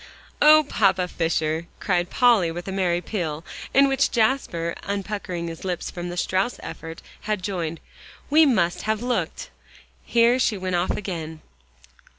"Oh, Papa Fisher!" cried Polly with a merry peal in which Jasper, unpuckering his lips from the Strauss effort, had joined, "we must have looked" Here she went off again.